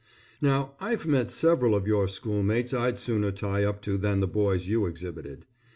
Now I've met several of your schoolmates I'd sooner tie up to than the boys you exhibited.